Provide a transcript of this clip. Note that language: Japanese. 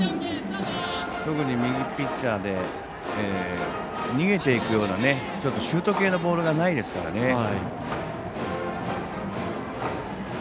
特に右ピッチャーで逃げていくようなちょっとシュート系のボールがないですからね。